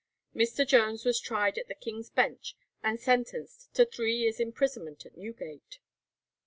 Mr. Jones was tried at the King's Bench and sentenced to three years' imprisonment in Newgate.